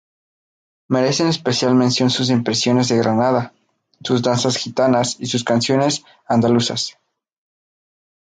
Merecen especial mención sus "Impresiones de Granada", sus "Danzas gitanas" y sus "Canciones andaluzas".